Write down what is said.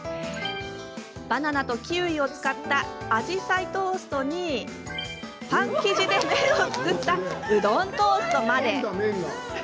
バナナとキウイを使ったアジサイトーストにパン生地で麺を作ったうどんトーストまで。